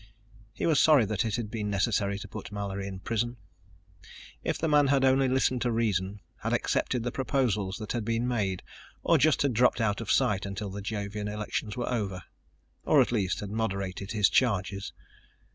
He was sorry that it had been necessary to put Mallory in prison. If the man only had listened to reason, had accepted the proposals that had been made, or just had dropped out of sight until the Jovian elections were over ... or at least had moderated his charges.